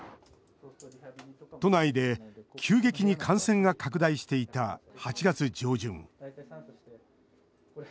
都内で急激に感染が拡大していた８月上旬。